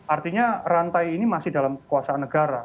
artinya rantai ini masih dalam kekuasaan negara